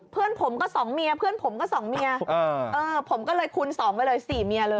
เพื่อนผมก็สองเมียเพื่อนผมก็สองเมียผมก็เลยคูณสองไปเลย๔เมียเลย